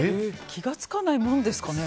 気が付かないもんですかね。